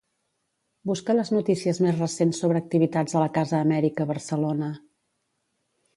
Busca les notícies més recents sobre activitats a la Casa Amèrica Barcelona.